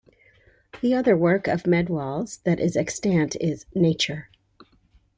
The other work of Medwall's that is extant is "Nature".